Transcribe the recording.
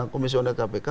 komisi undang kpk